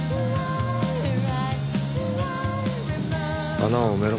穴を埋めろ。